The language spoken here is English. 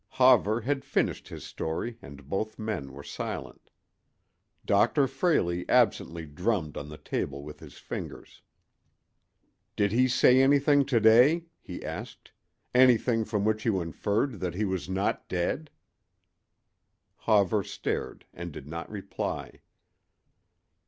Hawver had finished his story and both men were silent. Dr. Frayley absently drummed on the table with his fingers. "Did he say anything to day?" he asked—"anything from which you inferred that he was not dead?" Hawver stared and did not reply.